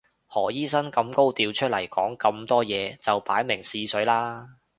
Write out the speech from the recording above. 何醫生咁高調出嚟講咁多嘢就擺明試水啦